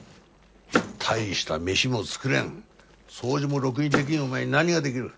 大した飯も作れん掃除もろくにできんお前に何ができる？